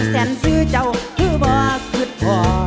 แสนซื้อเจ้าคือบ่าคือต่อ